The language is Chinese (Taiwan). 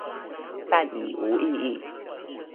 但己無意義